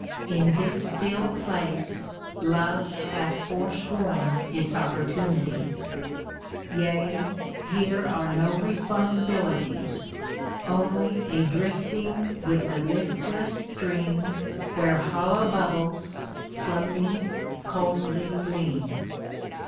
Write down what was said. In this still place Love hath forsworn its opportunities. Yea, here are no responsibilities. Only a drifting with the listless stream Where hollow bubbles, floating, coldly gleam.